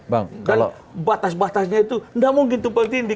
dan batas batasnya itu tidak mungkin tumpang tinggi